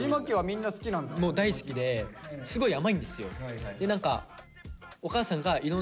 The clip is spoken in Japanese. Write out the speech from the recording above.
大好きですごい甘いんですよ。